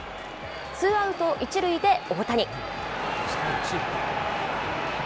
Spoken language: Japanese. ツーアウト１塁で大谷。